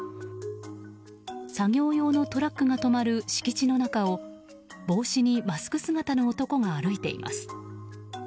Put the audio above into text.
作業用のトラックが止まる敷地の中を帽子にマスク姿の男が歩いています。